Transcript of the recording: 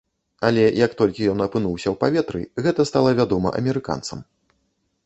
Але як толькі ён апынуўся ў паветры, гэта стала вядома амерыканцам.